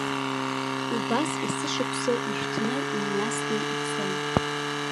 Убас есышықәса ишәҭны, иниасны ицон.